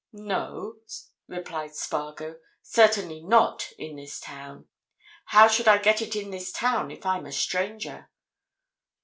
"No," replied Spargo. "Certainly not in this town. How should I get it in this town if I'm a stranger?"